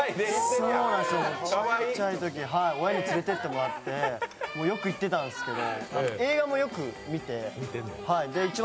ちっちゃいとき親に連れてってもらってよく行ってたんですけど。